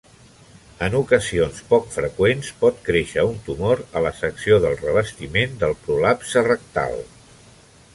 En ocasions poc freqüents, pot créixer un tumor a la secció del revestiment del prolapse rectal.